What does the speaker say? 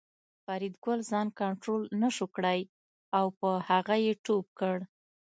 فریدګل ځان کنترول نشو کړای او په هغه یې ټوپ کړ